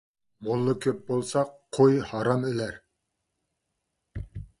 موللا كۆپ بولسا، قوي ھارام ئۆلەر.